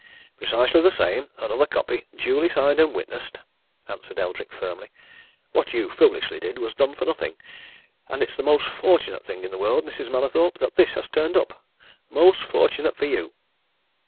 "Precisely the same another copy duly signed and witnessed!" answered Eldrick firmly. "What you foolishly did was done for nothing. And it's the most fortunate thing in the world, Mrs. Mallathorpe, that this has turned up! most fortunate for you!"